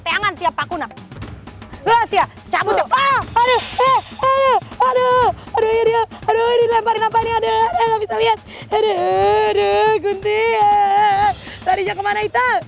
teangan siap pakuna siap cabut aduh aduh aduh aduh aduh aduh aduh aduh kuntinya tadi dia kemana